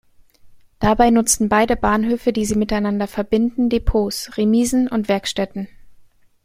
Dabei nutzten beide Bahnhöfe die sie miteinander verbindenden Depots, Remisen und Werkstätten.